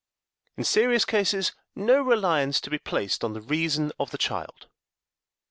In serious Cases no Reliance to be placed on the Reason of the Child.